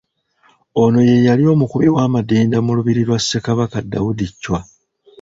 Ono ye yali omukubi w’amadinda mu lubiri lwa Ssekabaka Daudi Chwa.